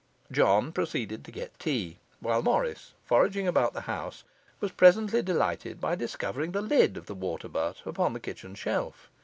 John proceeded to get tea; while Morris, foraging about the house, was presently delighted by discovering the lid of the water butt upon the kitchen shelf.